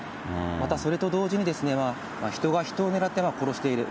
またそれと同時に、人が人を狙って殺している。